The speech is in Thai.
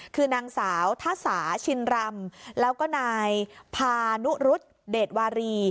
คือนางสาวท่าสาชินรำแล้วก็นายพานุรุษเดชวารี